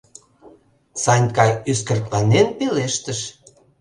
— Санька ӱскыртланен пелештыш.